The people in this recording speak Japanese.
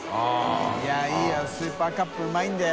いいいよスーパーカップうまいんだよ。